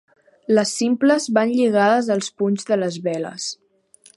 Les simples van lligades als punys de les veles.